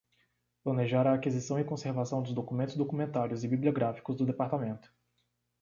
Planejar a aquisição e conservação dos documentos documentários e bibliográficos do Departamento.